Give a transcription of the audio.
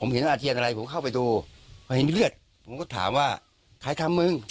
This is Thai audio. เห็นอาเทียนอะไรผมเข้าไปดูพอเห็นเลือดผมก็ถามว่าใครทำมึง